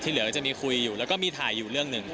เหลือจะมีคุยอยู่แล้วก็มีถ่ายอยู่เรื่องหนึ่ง